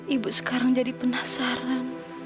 ibu sekarang jadi penasaran